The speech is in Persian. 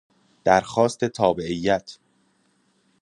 درخواست تابعیت